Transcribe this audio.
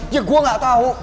ya gue gak tahu